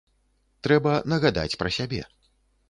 Трэба нагадаць пра сябе.